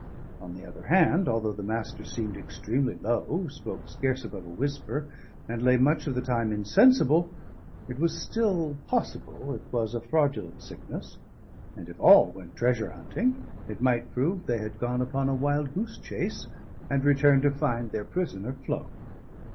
On the other hand, although the Master seemed extremely low, spoke scarce above a whisper, and lay much of the time insensible, it was still possible it was a fraudulent sickness; and if all went treasure hunting, it might prove they had gone upon a wild goose chase, and return to find their prisoner flown.